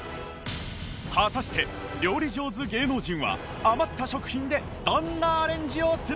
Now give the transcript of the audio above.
果たして料理上手芸能人は余った食品でどんなアレンジをするのか？